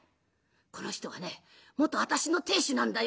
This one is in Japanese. この人はね元私の亭主なんだよ。